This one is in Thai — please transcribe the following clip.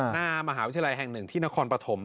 หน้ามหาวิทยาลัยแห่งหนึ่งที่นครปฐม